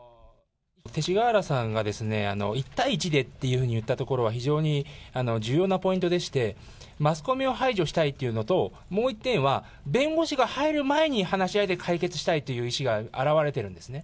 勅使河原さんが１対１でっていうふうに言ったところは、非常に重要なポイントでして、マスコミを排除したいというのと、もう１点は、弁護士が入る前に話し合いで解決したいという意識が表れてるんですね。